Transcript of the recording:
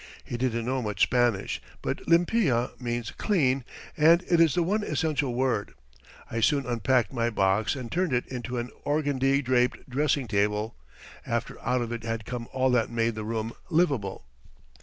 He didn't know much Spanish, but limpia means clean, and is the one essential word. I soon unpacked my box and turned it into an organdie draped dressing table, after out of it had come all that made the room livable.